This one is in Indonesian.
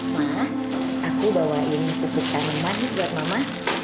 ma aku bawain pupuk tanaman buat mama